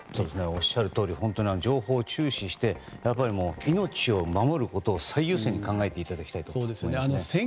おっしゃるとおり情報を注視して命を守ることを最優先に考えていただきたいと思います。